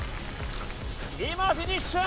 今フィニッシュ！